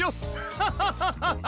ハハハハハ！